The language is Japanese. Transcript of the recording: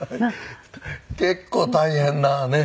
結構大変なねえ。